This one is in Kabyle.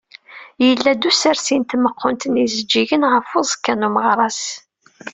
Yella-d usersi n tmeqqunt n yijeǧǧigen ɣef uẓekka n umeɣras.